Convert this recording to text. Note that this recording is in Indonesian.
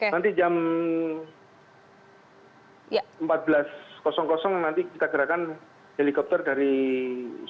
nanti jam empat belas nanti kita gerakan helikopter dari jakarta